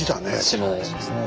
知らない字ですね。